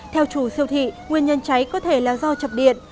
theo chủ siêu thị nguyên nhân cháy có thể là do chập điện